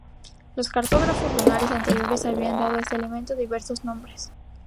Los cartógrafos lunares anteriores habían dado a este elemento diversos nombres.